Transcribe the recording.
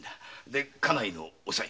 家内のおさい。